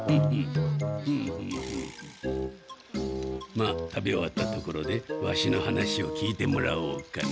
まあ食べ終わったところでワシの話を聞いてもらおうかな。